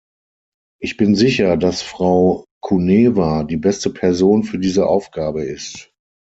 Ich bin sicher, dass Frau Kunewa die beste Person für diese Aufgabe ist.